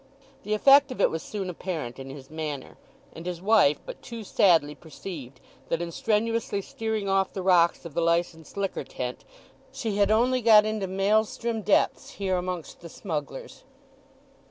The effect of it was soon apparent in his manner, and his wife but too sadly perceived that in strenuously steering off the rocks of the licensed liquor tent she had only got into maelstrom depths here amongst the smugglers.